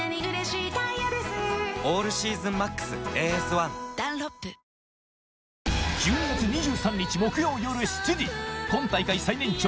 １２月２３日木曜夜７時本大会最年長